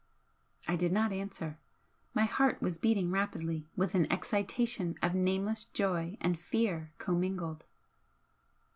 I did not answer. My heart was beating rapidly with an excitation of nameless joy and fear commingled.